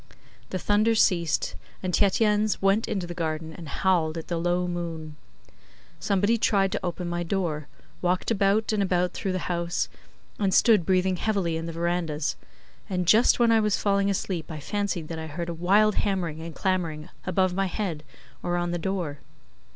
The thunder ceased, and Tietjens went into the garden and howled at the low moon. Somebody tried to open my door, walked about and about through the house and stood breathing heavily in the verandahs, and just when I was falling asleep I fancied that I heard a wild hammering and clamouring above my head or on the door.